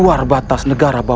masalah pak man r quest